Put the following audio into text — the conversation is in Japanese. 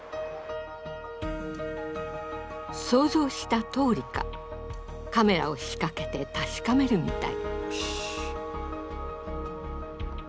想像したとおりかカメラを仕掛けて確かめるみたい。